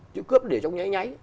chứ cướp để trong nháy nháy